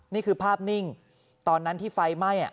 นี่คือภาพนิ่งตอนนั้นที่ไฟไหม้